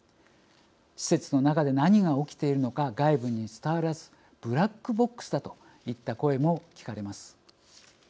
施設の中で何が起きているのか外部に伝わらずブラックボックスだといった声も聞かれます。